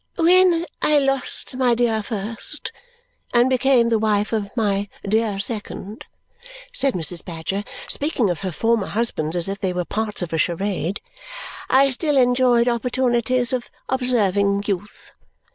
"When I lost my dear first and became the wife of my dear second," said Mrs. Badger, speaking of her former husbands as if they were parts of a charade, "I still enjoyed opportunities of observing youth.